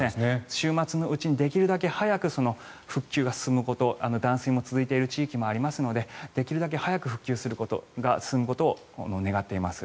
週末のうちにできるだけ早く復旧が進むこと断水も続いている地域もありますのでできるだけ早く復旧が進むことを願っています。